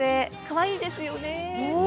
かわいいですよね？